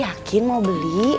ayah yakin mau beli